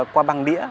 qua băng đĩa